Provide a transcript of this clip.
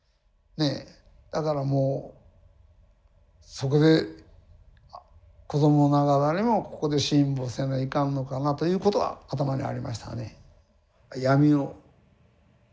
だからもうそこで子どもながらにもここで辛抱せないかんのかなということは頭にありましたね。